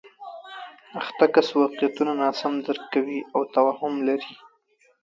اخته کس واقعیتونه ناسم درک کوي او توهم لري